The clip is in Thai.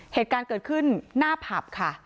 เหตุการณ์เกิดขึ้นหน้าผับค่ะ